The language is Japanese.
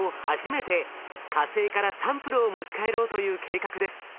初めて火星からサンプルを持ち帰ろうという計画です。